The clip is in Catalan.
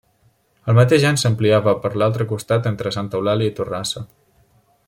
El mateix any s'ampliava per l'altre costat entre Santa Eulàlia i Torrassa.